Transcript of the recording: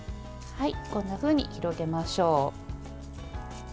こんなふうに広げましょう。